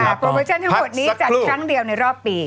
ภักดิ์ซักครู่โปรโยชน์ทั้งหมดนี้จัดครั้งเดียวในรอบปี